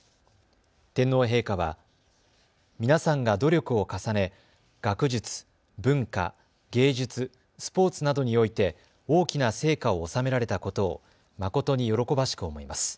天皇陛下は皆さんが努力を重ね学術、文化、芸術、スポーツなどにおいて大きな成果を収められたことを誠に喜ばしく思います。